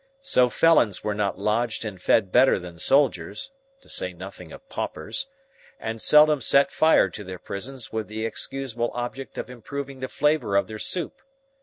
So, felons were not lodged and fed better than soldiers (to say nothing of paupers), and seldom set fire to their prisons with the excusable object of improving the flavour of their soup.